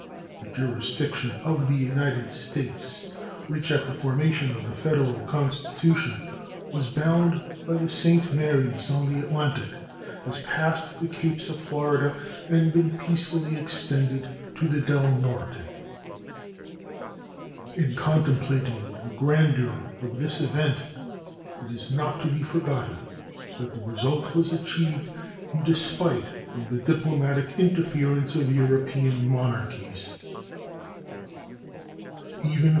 The jurisdiction of the United States, which at the formation of the Federal Constitution was bounded by the St. Marys on the Atlantic, has passed the capes of Florida and been peacefully extended to the Del Norte. In contemplating the grandeur of this event it is not to be forgotten that the result was achieved in despite of the diplomatic interference of European monarchies.